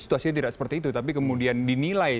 situasinya tidak seperti itu tapi kemudian dinilai